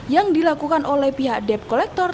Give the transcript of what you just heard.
yang dilakukan oleh pihak dep kolektor